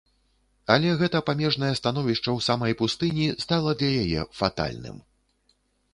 Але гэта памежнае становішча ў самай пустыні стала для яе фатальным.